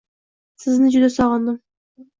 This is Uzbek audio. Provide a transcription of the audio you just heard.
Sizni juda sog’indim